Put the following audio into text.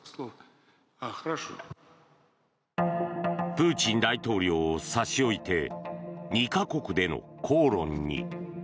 プーチン大統領を差し置いて２か国での口論に。